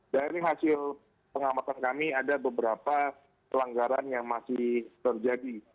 dari hasil pengamatan kami ada beberapa pelanggaran yang masih terjadi